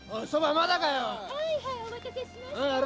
はいお待たせしました！